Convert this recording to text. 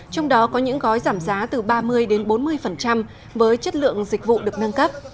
trong đó có những gói giảm giá từ ba mươi đến bốn mươi với chất lượng dịch vụ được nâng cấp